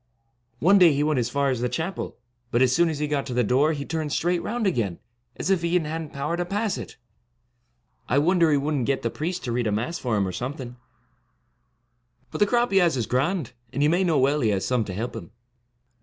One day he went as far as the chapel ; but as soon as he got to the door he turned straight round again, as if he hadn't power to pass it, I wonder he would n't get the priest to read a Mass for him, or something; but the crop he has is grand, and you may know well he has some to help him.'